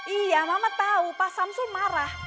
iya mama tahu pak samsul marah